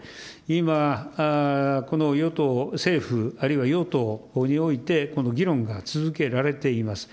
今、この与党、政府・与党において、この議論が続けられています。